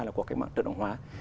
là cuộc cách mạng